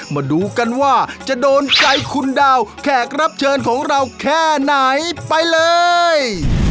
มาดูกันว่าจะโดนใจคุณดาวแขกรับเชิญของเราแค่ไหนไปเลย